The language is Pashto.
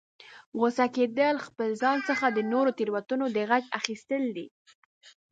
غوسه کیدل، د خپل ځان څخه د نورو د تیروتنو د غچ اخستل دي